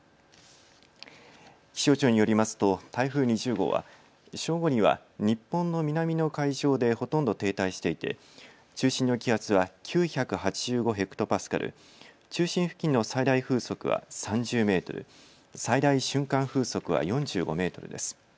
気象庁によりますと台風２０号は正午には日本の南の海上でほとんど停滞していて中心の気圧は９８５ｈＰａ、中心付近の最大風速は３０メートル、最大瞬間風速は４５メートルです。